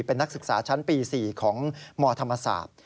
เป็นนักศึกษาชั้นปี๔ของมธรรมศาสตร์